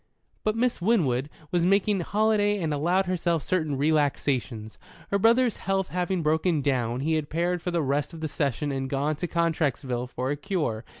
But Miss Winwood was making holiday and allowed herself certain relaxations. Her brother's health having broken down, he had paired for the rest of the session and gone to Contrexeville for a cure.